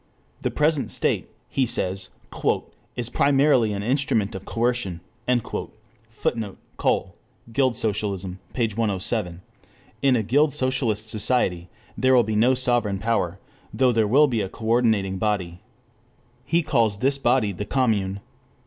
The present state, he says, "is primarily an instrument of coercion;" [Footnote: Cole, Guild Socialism, p. 107.] in a guild socialist society there will be no sovereign power, though there will be a coordinating body. He calls this body the Commune.